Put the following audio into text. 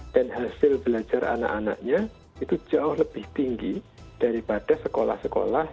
dan hasil belajar anak anaknya itu jauh lebih tinggi daripada sekolah sekolah